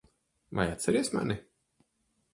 Vai atceries mani?